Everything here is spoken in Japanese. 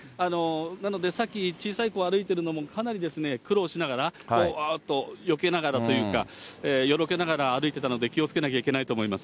なのでさっき小さい子、歩いてるのもかなり苦労しながら、こう、あーっとよけながらというか、よろけながら歩いていたので、気をつけないといけないと思います。